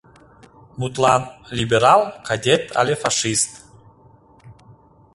Мутлан, либерал, кадет але фашист.